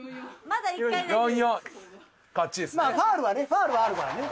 まあファウルはねファウルはあるからね。